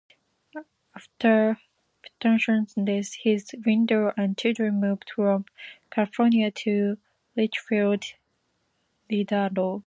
After Peterson's death, his widow and children moved from California to Richfield, Idaho.